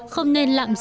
không nên lạm dối